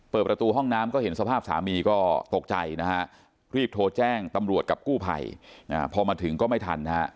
เปิดประตูห้องน้ำก็เห็นสภาพสามีก็ตกใจนะฮะรีบโทรแจ้งตำรวจกับกู้ภัยพอมาถึงก็ไม่ทันนะฮะ